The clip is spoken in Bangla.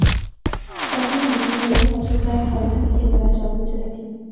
কখনো মাথা ধরে, হজম প্রায় হয় না, বিকেলবেলা জ্বর হতে থাকে।